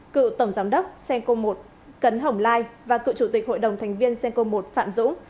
cựu tổng giám đốc cenco một cấn hồng lai và cựu chủ tịch hội đồng thành viên cenco một phạm dũng